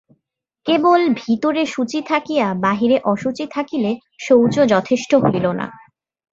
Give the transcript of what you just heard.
কেবল ভিতরে শুচি থাকিয়া বাহিরে অশুচি থাকিলে শৌচ যথেষ্ট হইল না।